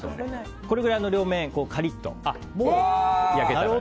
これくらい両面がカリッと焼けたら。